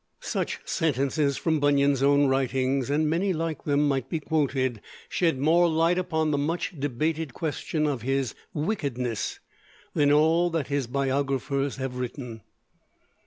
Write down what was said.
Such sentences from Bunyan's own writings and many like them might be quoted shed more light upon the much debated question of his "wickedness" than all that his biographers have written.